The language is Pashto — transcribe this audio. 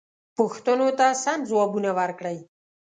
پوښتنو ته سم ځوابونه ورکړئ.